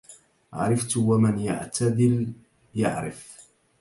عرفت ومن يعتدل يعرف